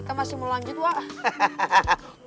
kita masih mau lanjut wah